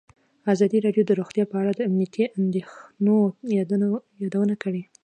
ازادي راډیو د روغتیا په اړه د امنیتي اندېښنو یادونه کړې.